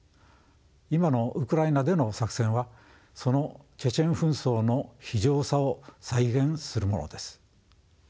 今のウクライナでの作戦はそのチェチェン紛争の非情さを再現するものです。